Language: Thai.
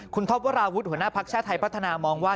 คุณท็อปวราวุฒิหัวหน้าภักดิ์ชาติไทยพัฒนามองว่า